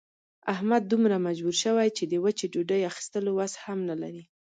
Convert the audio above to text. احمد دومره مجبور شوی چې د وچې ډوډۍ اخستلو وس هم نه لري.